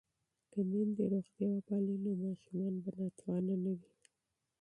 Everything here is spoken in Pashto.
که میندې روغتیا پالې وي نو ماشومان به کمزوري نه وي.